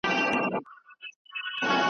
سود ټولنه د فقر خوا ته بیايي.